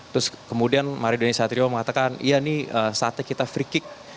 terus kemudian mario dandisatrio mengatakan iya ini saatnya kita free kick